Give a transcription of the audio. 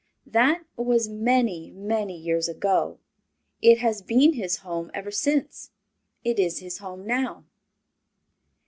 That was many, many years ago. It has been his home ever since. It is his home now.